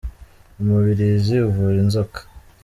Umubirizi uvura inzoka.